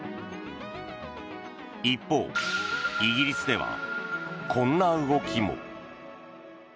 一方、イギリスではこんな動きも。